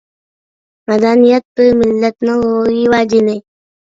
مەدەنىيەت بىر مىللەتنىڭ روھى ۋە جېنى.